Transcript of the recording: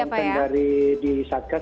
tapi saya rasa dari di satgas